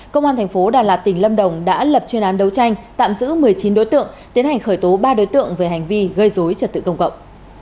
công an thành phố đà lạt tỉnh lâm đồng đã lập chuyên án đấu tranh tạm giữ một mươi chín đối tượng tiến hành khởi tố ba đối tượng về hành vi gây dối trật tự công cộng